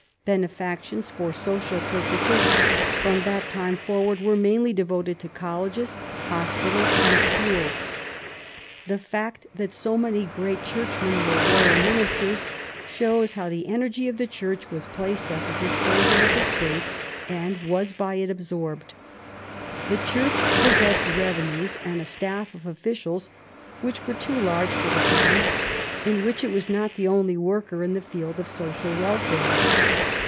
Benefactions for social purposes from that time forward were mainly devoted to colleges, hos pitals, and schools. The fact that so many great church men were royal ministers shows how the energy of the Church was placed at the disposal of the State and was by it absorbed. The Church possessed revenues, and a staff of officials which were too large for the time, in which it was not the only worker in the field of social welfare.